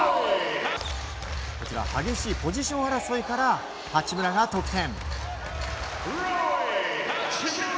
激しいポジション争いから八村が得点。